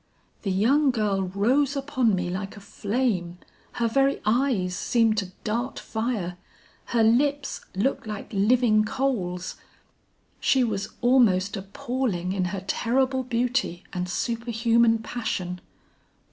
"The young girl rose upon me like a flame; her very eyes seemed to dart fire; her lips looked like living coals; she was almost appalling in her terrible beauty and superhuman passion.